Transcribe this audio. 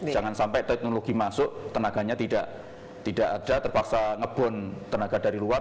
jangan sampai teknologi masuk tenaganya tidak ada terpaksa ngebond tenaga dari luar